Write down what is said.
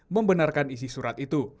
membenarkan isi surat itu